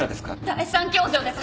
第３教場です！